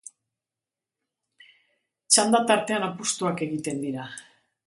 Txanda tartean apustuak egiten dira.